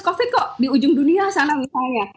covid kok di ujung dunia sana misalnya